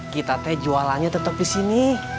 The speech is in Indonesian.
kita teh jualannya tetep disini